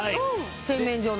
洗面所の。